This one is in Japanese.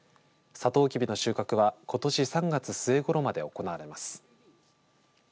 さとうきびの収穫はことし３月末ごろまで行われます。